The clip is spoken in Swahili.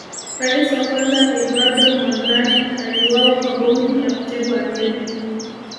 Rais wa kwanza Eduardo Mondlane aliuawa kwa bomu la kutegwa ardhini